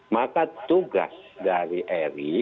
maka tugas dari eri